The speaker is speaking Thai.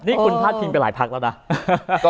นี่คุณพาดพิงไปหลายพักแล้วนะ